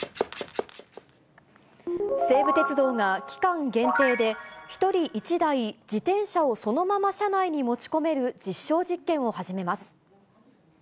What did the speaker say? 西武鉄道が期間限定で、１人１台自転車をそのまま車内に持ち込める実証実験を始めます。